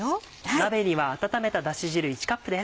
鍋には温めたダシ汁１カップです。